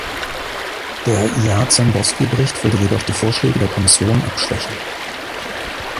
Der Jarzembowski-Bericht würde jedoch die Vorschläge der Kommission abschwächen.